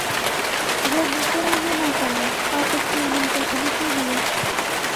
রোগীকে না হয় বাঁচালাম, তারপর তিনদিন টেকাব কী দিয়ে?